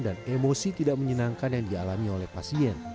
dan emosi tidak menyenangkan yang dialami oleh pasien